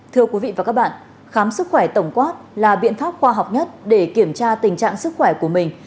thưa quý vị và các bạn khám sức khỏe tổng quát là biện pháp khoa học nhất để kiểm tra tình trạng sức khỏe của mình